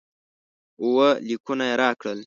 اووه لیکونه یې راکړل.